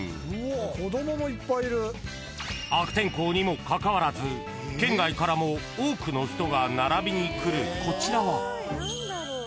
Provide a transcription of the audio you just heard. ［悪天候にもかかわらず県外からも多くの人が並びに来るこちらは］